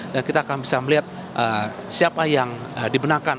dan kita akan bisa melihat siapa yang dibenarkan